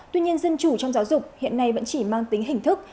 tuy nhiên dân chủ trong giáo dục hiện nay vẫn chỉ mang tính hình thức